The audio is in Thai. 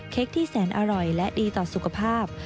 ที่แสนอร่อยและดีต่อสุขภาพ